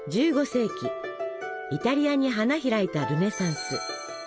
１５世紀イタリアに花開いたルネサンス。